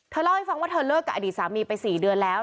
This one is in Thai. เล่าให้ฟังว่าเธอเลิกกับอดีตสามีไป๔เดือนแล้ว